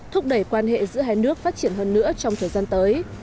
thúc đẩy quan hệ giữa hai nước phát triển hơn nữa trong thời gian tới